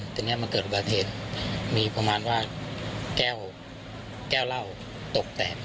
ทีนี้มันเกิดประเทศมีประมาณว่าแก้วแก้วเหล้าตกแตก